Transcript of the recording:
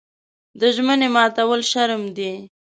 د ژمنې ماتول شرم دی.